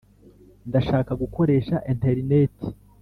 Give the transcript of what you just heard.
ndashaka gukoresha interineti